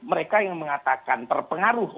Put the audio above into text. mereka yang mengatakan terpengaruh